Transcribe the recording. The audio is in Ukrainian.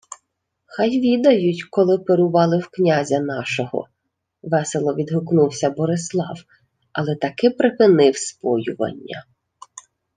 — Хай відають, коли пирували в князя нашого! — весело відгукнувся Борислав, але таки припинив споювання.